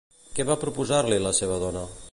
Què va proposar-li la seva dona?